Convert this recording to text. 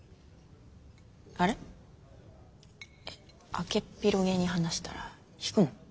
開けっ広げに話したら引くの？